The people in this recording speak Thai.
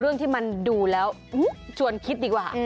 เรื่องที่มันดูแล้วชวนคิดดีกว่า